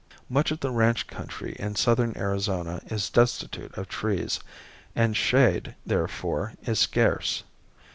Much of the ranch country in southern Arizona is destitute of trees, and shade, therefore, is scarce.